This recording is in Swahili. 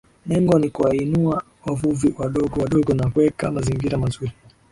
Lengo ni kuwainua wavuvi wadogo wadogo na kuweka mazingira mazuri